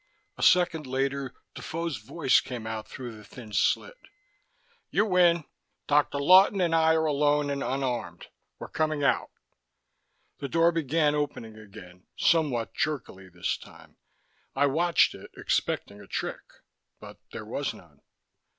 A second later, Defoe's voice came out through the thin slit. "You win. Dr. Lawton and I are alone and unarmed. We're coming out." The door began opening again, somewhat jerkily this time. I watched it, expecting a trick, but there was none.